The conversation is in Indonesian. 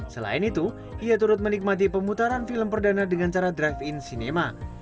selain itu ia turut menikmati pemutaran film perdana dengan cara drive in cinema